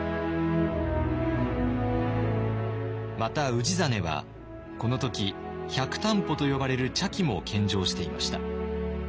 また氏真はこの時「百端帆」と呼ばれる茶器も献上していました。